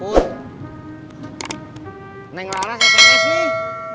pur neng lara saya jemput nih